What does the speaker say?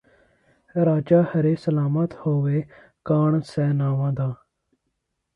ਰਾਜਾ ਰਹੇ ਸਲਾਮਤ ਹੋਵੇ ਘਾਣ ਸੈਨਾਵਾਂ ਦਾ